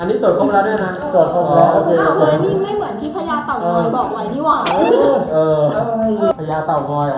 อันนี้ตรวจคงมาแล้วด้วยนะ